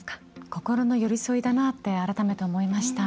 心の寄り添いだなって改めて思いました。